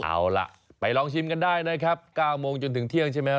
เอาล่ะไปลองชิมกันได้นะครับ๙โมงจนถึงเที่ยงใช่ไหม